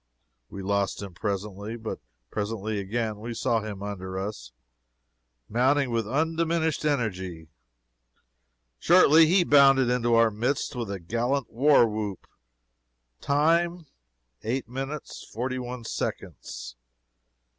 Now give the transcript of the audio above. We lost him presently. But presently again we saw him under us, mounting with undiminished energy. Shortly he bounded into our midst with a gallant war whoop. Time, eight minutes, forty one seconds.